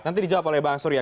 nanti dijawab oleh bang surya